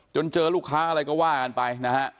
เจอลูกค้าอะไรก็ว่ากันไปนะฮะ